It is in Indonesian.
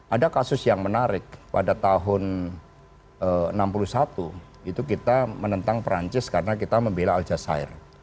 ada kasus yang menarik pada tahun seribu sembilan ratus enam puluh satu itu kita menentang perancis karena kita membela al jazeera